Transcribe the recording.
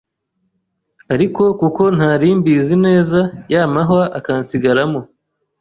ariko kuko ntari mbizi neza ya mahwa akansigaramo